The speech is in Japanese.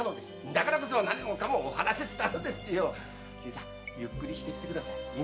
だから何もかもお話ししたのですゆっくりしていってください。